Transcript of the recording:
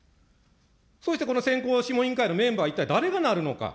そしてこの選考諮問委員会のメンバー、一体誰がなるのか。